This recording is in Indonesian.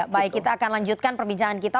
baik kami akan lanjutkan perbincangan kami